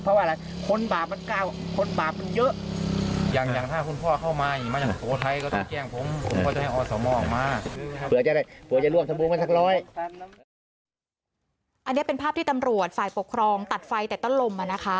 อันนี้เป็นภาพที่ตำรวจฝ่ายปกครองตัดไฟแต่ต้นลม